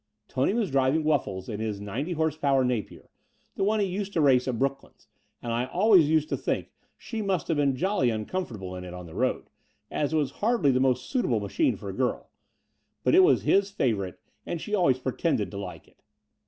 Tony was driving Wuffles in his 90 h.p. Napier, the one he used to race at BrooMands, and I al ways used to think she must have been jolly un comfortable in it on the road, as it was hardly the most suitable madiine for a girl: but it was his favourite, and she always pretended to like it.